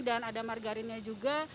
dan ada margarinnya juga